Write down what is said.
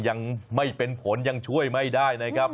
ยังไม่เป็นผลยังช่วยไม่ได้นะครับ